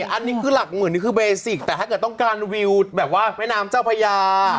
อันนี้คือหลักหมื่นนี่คือเบสิกแต่ถ้าเกิดต้องการวิวแบบว่าแม่น้ำเจ้าพญา